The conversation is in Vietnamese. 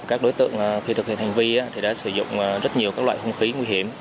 các đối tượng khi thực hiện hành vi thì đã sử dụng rất nhiều các loại hung khí nguy hiểm